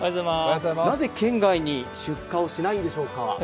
なぜ県外に出荷をしないんでしょうか。